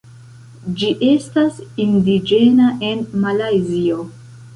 Ĝi estas indiĝena en Malajzio.